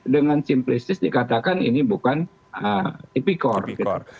dengan simplistis dikatakan ini bukan tipikor gitu